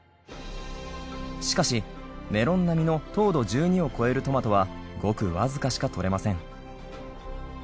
しかしメロン並みの糖度１２を超えるトマトはごくわずかしか採れません。